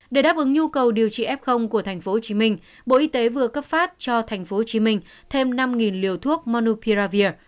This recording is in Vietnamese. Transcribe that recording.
để đáp ứng nhu cầu điều trị f của tp hcm bộ y tế vừa cấp phát cho tp hcm thêm năm liều thuốc monopiravir